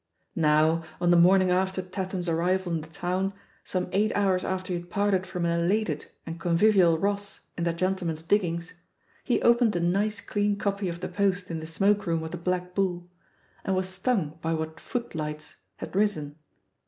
Now, on the morning after Tatham's arrival in the town, some eight hours after he had parted from an elated and convivial Ross in that gentle man's "diggings," he opened a nice clean copy of The Post in the "smoke room" of the Black Bull and was stung by what "Footlights" had written.